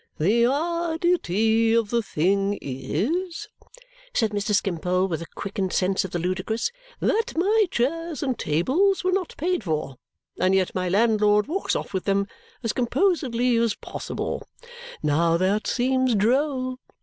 "The oddity of the thing is," said Mr. Skimpole with a quickened sense of the ludicrous, "that my chairs and tables were not paid for, and yet my landlord walks off with them as composedly as possible. Now, that seems droll!